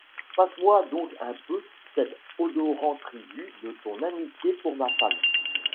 Passe-moi donc un peu cet odorant tribut de ton amitié pour ma femme.